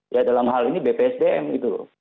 ya dalam hal ini bpsdm gitu loh